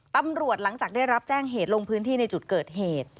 หลังจากได้รับแจ้งเหตุลงพื้นที่ในจุดเกิดเหตุ